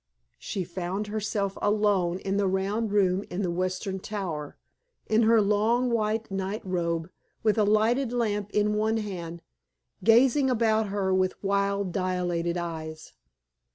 She found herself alone in the round room in the western tower, in her long white night robe, with a lighted lamp in one hand, gazing about her with wild, dilated eyes.